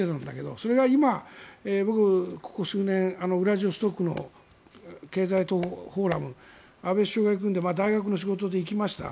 それが今、ここ数年ウラジオストクの経済フォーラム安倍首相が行くので大学の仕事で行きました。